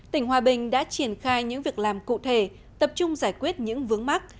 tỉnh hòa bình đã triển khai những việc làm cụ thể tập trung giải quyết những vướng mắt